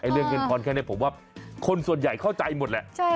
เรื่องเงินทอนแค่นี้ผมว่าคนส่วนใหญ่เข้าใจหมดแหละ